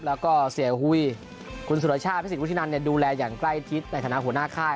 แล้วก็เสียหุ้ยคุณสุรชาติพิสิทธวุฒินันดูแลอย่างใกล้ชิดในฐานะหัวหน้าค่าย